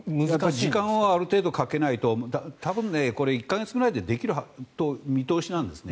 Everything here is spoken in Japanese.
時間をある程度かけないと１か月くらいでできる見通しなんですね。